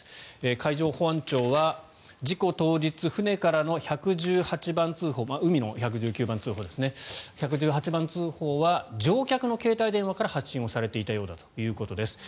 海上保安庁は事故当日船からの１１８番通報海の１１９番通報ですね１１８番通報は乗客の携帯電話から発信されていたようだということです。